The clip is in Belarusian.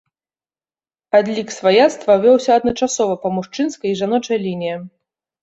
Адлік сваяцтва вёўся адначасова па мужчынскай і жаночай лініям.